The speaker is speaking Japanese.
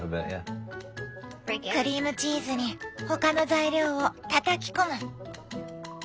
クリームチーズに他の材料をたたき込む！